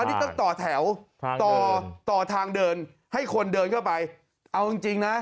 อันนี้ต้องต่อแถวต่อทางเดินให้คนเดินเข้าไปเอาจริงจริงนะ